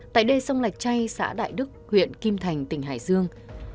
tại đê sông lạch chay xã đại đức huyện kim thành tỉnh hải dương